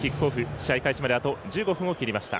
試合開始まで１５分を切りました。